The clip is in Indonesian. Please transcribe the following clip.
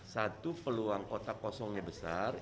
satu peluang kota kosongnya besar